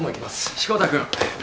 志子田君。